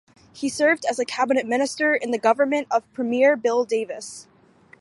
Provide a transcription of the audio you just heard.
He served as a cabinet minister in the government of Premier Bill Davis.